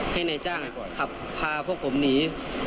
ให้นายจ้างขับพาพวกผมหนี